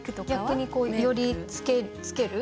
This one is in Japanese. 逆にこうより付ける？